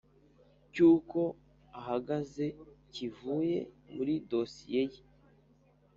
cy’uko ahagaze kivuye muri dosiye ye.